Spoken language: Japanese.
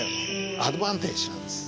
アドバンテージなんです。